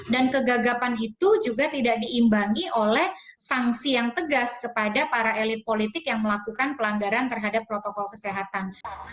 dan kegagapan itu juga tidak diimbangi oleh sanksi yang tegas kepada para elit politik yang melakukan pelanggaran terhadap protokol kesehatan